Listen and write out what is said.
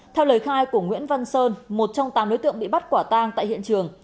theo lời khai của nguyễn văn sơn một trong tám đối tượng bị bắt quả tang tại hiện trường